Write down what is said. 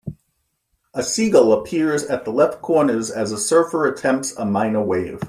A seagull appears at the left corners as a surfer attempts a minor wave.